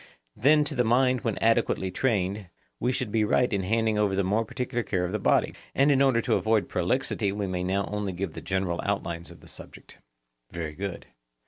Then, to the mind when adequately trained, we shall be right in handing over the more particular care of the body; and in order to avoid prolixity we will now only give the general outlines of the subject. Very good.